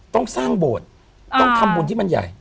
ต้องสร้างโบสถ์ต้องทำบุญที่มันใหญ่